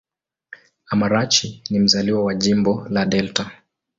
Amarachi ni mzaliwa wa Jimbo la Delta.